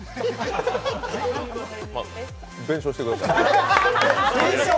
弁償してください。